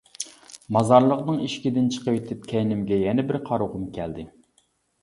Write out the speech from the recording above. مازارلىقنىڭ ئىشىكىدىن چىقىۋېتىپ كەينىمگە يەنە بىر قارىغۇم كەلدى.